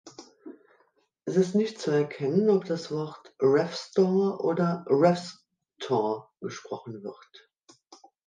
Es ist nicht zu erkennen, ob das Wort Raff-store oder Raffs-tore gesprochen wird.